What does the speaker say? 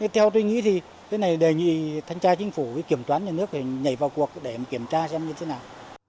theo tôi nghĩ thì cái này đề nghị thanh tra chính phủ kiểm toán nhà nước nhảy vào cuộc để kiểm tra xem như thế nào